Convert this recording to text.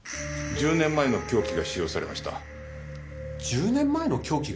１０年前の凶器が使用された！？